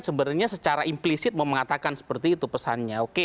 secara implisit mengatakan seperti itu pesannya